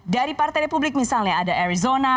dari partai republik misalnya ada arizona